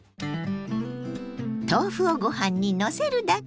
豆腐をご飯にのせるだけ！